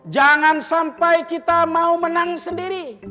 jangan sampai kita mau menang sendiri